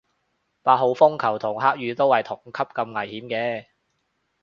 八號風球同黑雨都係同級咁危險嘅